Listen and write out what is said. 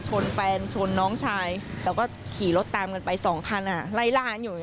ชนแฟนชนน้องชาย